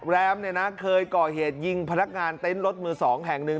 แรมเคยก่อเหตุยิงพนักงานเต้นรถมือ๒แห่งหนึ่ง